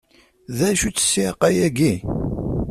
D acu-tt ssiεqa-agi?